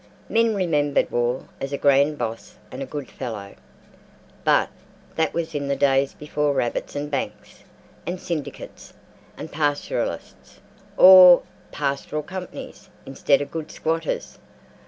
Men remembered Wall as a grand boss and a good fellow, but that was in the days before rabbits and banks, and syndicates and "pastoralists" or pastoral companies instead of good squatters.